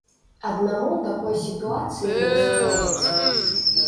Аднаму ў такой сітуацыі не справіцца.